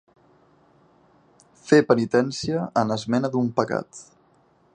Fer penitència en esmena d'un pecat.